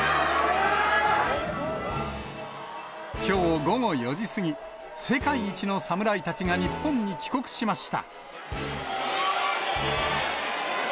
きょう午後４時過ぎ、世界一の侍たちが日本に帰国しました。